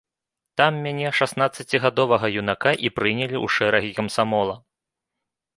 Там мяне, шаснаццацігадовага юнака, і прынялі ў шэрагі камсамола.